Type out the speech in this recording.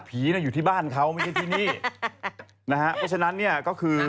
น่ะอยู่ที่บ้านเขาไม่ใช่ที่นี่นะฮะเพราะฉะนั้นเนี่ยก็คือ